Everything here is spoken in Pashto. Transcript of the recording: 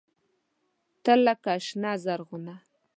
تۀ لکه “شنه زرغونه”